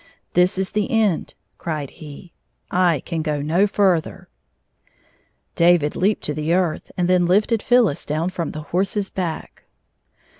" This is the end," cried he. " I can go no ftirther." David leaped to the earth, and then lifted PhyUis down from the horse's back.